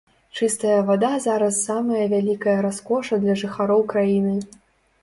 Чыстая вада зараз самае вялікае раскоша для жыхароў краіны.